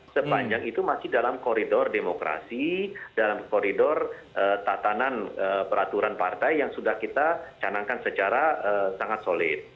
sepanjang itu masih dalam koridor demokrasi dalam koridor tatanan peraturan partai yang sudah kita canangkan secara sangat solid